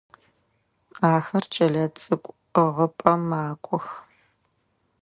Ахэр кӏэлэцӏыкӏу ӏыгъыпӏэм макӏох.